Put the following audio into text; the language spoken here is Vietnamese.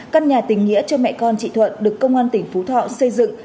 căn nhà tình nghĩa cho mẹ con chị thuận được công an tỉnh phú thọ xây dựng